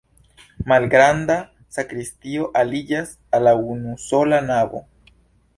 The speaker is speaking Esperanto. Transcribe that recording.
Malgranda sakristio aliĝas al la unusola navo.